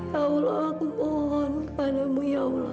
ya allah aku mohon kepadamu ya allah